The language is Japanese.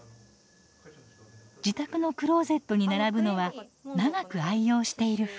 自宅のクローゼットに並ぶのは長く愛用している服。